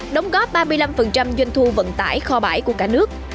đóng góp ba mươi năm doanh thu vận tải kho bãi của cả nước